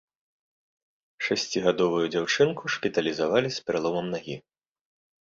Шасцігадовую дзяўчынку шпіталізавалі з пераломам нагі.